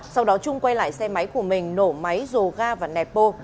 sau đó trung quay lại xe máy của mình nổ máy rồ ga và nẹp bô